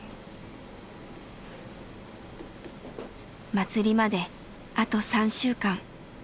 祭りまであと３週間。